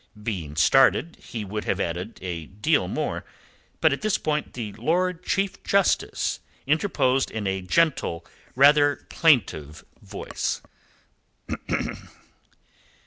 Being started, he would have added a deal more; but at this point the Lord Chief Justice interposed in a gentle, rather plaintive voice.